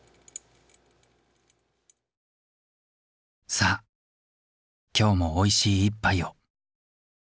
さあ今日もおいしい１杯を。